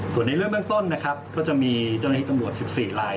ส่วนในเรื่องเบื้องต้นนะครับก็จะมีเจ้าหน้าที่ตำรวจ๑๔ลาย